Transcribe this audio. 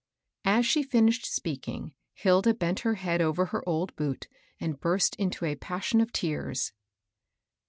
As she finished speaking, Hilda bent her head over her old boot, and burst into a passion of tears.